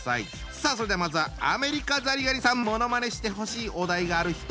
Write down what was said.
さあそれではまずはアメリカザリガニさんものまねしてほしいお題がある人。